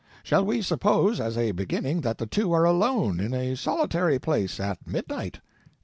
Shall we suppose, as a beginning, that the two are alone, in a solitary place, at midnight?